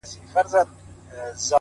زړه مي را خوري.